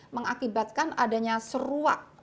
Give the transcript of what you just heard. mengakibatkan adanya seruak deras